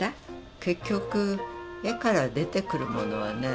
結局絵から出てくるものはね